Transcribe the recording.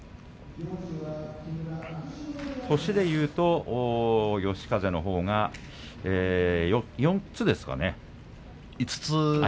年でいうと嘉風のほうが四つですかね。